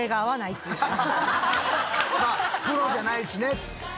まあプロじゃないしね。